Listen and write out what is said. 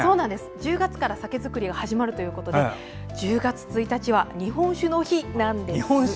１０月から酒造りが始まるということで１０月１日は日本酒の日なんです。